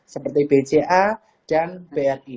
seperti bca dan bri